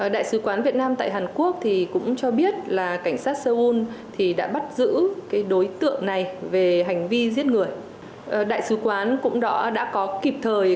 đại sứ quán việt nam tại hàn quốc cũng cho biết là cảnh sát seoul đã bắt giữ đối tượng này